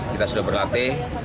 kita sudah berlatih